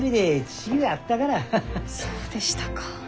そうでしたか。